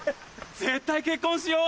絶対結婚しよう。